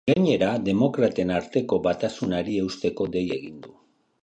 Gainera, demokraten arteko batasunari eusteko dei egin du.